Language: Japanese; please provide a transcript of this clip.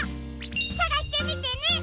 さがしてみてね！